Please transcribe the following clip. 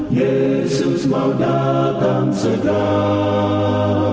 yesus mau datang segera